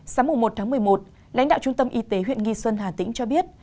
sáng một tháng một mươi một lãnh đạo trung tâm y tế huyện nghi xuân hà tĩnh cho biết